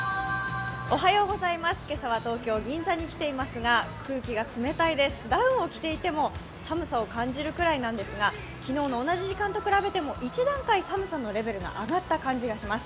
今朝は東京・銀座に来ていますが空気が冷たいです、ダウンを着ていても寒さを感じるくらいなんですが昨日の同じ時間と比べても一段階寒さのレベルが上がった感じがします。